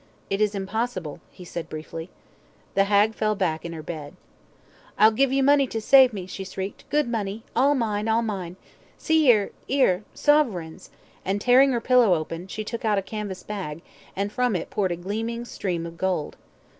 "It is impossible," he said briefly. The hag fell back in her bed. "I'll give you money to save me," she shrieked; "good money all mine all mine. See see 'ere suverains," and tearing her pillow open, she took out a canvas bag, and from it poured a gleaming stream of gold.